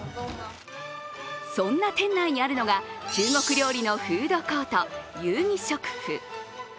そんな店内にあるのが中国料理のフードコート、友誼食府。